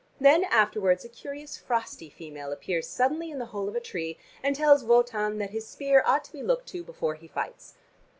Then afterwards a curious frosty female appears suddenly in the hole of a tree and tells Wotan that his spear ought to be looked to before he fights.